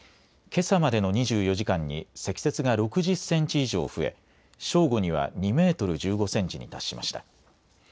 けさまでの２４時間に積雪が６０センチ以上増え正午には２メートル１５センチに達しました。